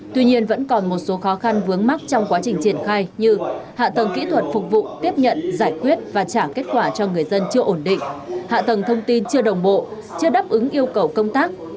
tuy nhiên vẫn còn một số khó khăn vướng mắt trong quá trình triển khai như hạ tầng kỹ thuật phục vụ tiếp nhận giải quyết và trả kết quả cho người dân chưa ổn định hạ tầng thông tin chưa đồng bộ chưa đáp ứng yêu cầu công tác